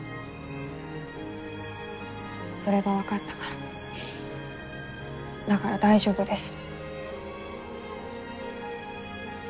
それが分かったからだから大丈夫です。